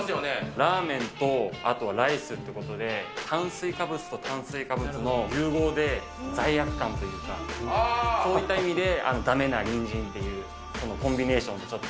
ラーメンとあとライスってことで、炭水化物と炭水化物の融合で罪悪感というか、そういった意味で駄目な隣人っていう、コンビネーションでちょっと。